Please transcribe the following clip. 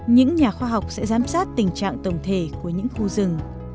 những nhà khoa học sẽ giám sát tình trạng tổng thể của những khu rừng